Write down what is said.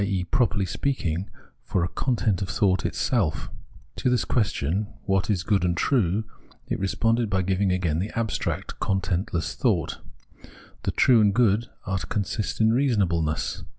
e. properly speaking, for a content of thought itself. To the question what is good and true, it responded by giving again the abstract, contentless thought ; the true and good are to consist in reasonableness.